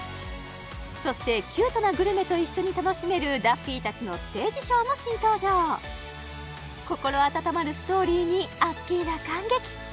そしてキュートなグルメと一緒に楽しめるダッフィーたちのステージショーも新登場心温まるストーリーにアッキーナ感激